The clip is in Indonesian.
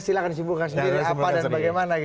silahkan sibukkan sendiri apa dan bagaimana